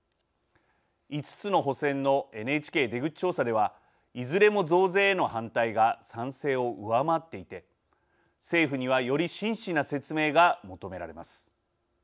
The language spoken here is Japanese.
５つの補選のＮＨＫ出口調査ではいずれも増税への反対が賛成を上回っていて政府にはより真摯な説明が求められます。